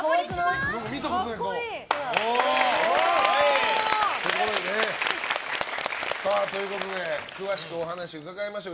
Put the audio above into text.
すごいね。ということで詳しくお話伺いましょう。